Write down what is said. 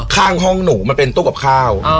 ข้างห้องหนูมันเป็นตู้กับข้าว